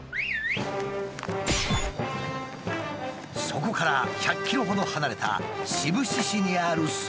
そこから１００ｋｍほど離れた志布志市にある草原。